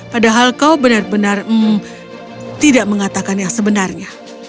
padahal kau benar benar tidak mengatakan yang sebenarnya